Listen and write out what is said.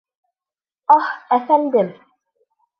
— Аһ, әфәндем!